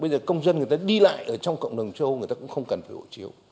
bây giờ công dân người ta đi lại ở trong cộng đồng châu âu người ta cũng không cần phải hộ chiếu